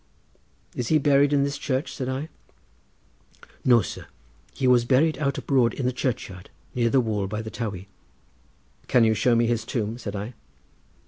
"Is he buried in this church?" said I. "No, sir, he was buried out abroad in the churchyard, near the wall by the Towey." "Can you show me his tomb?" said I.